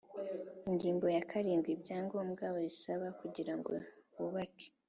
Ingingo ya karindwi Ibyangombwa bisabwa kugira ngo bubake